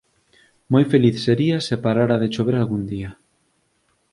Moi feliz sería se parara de chover algún día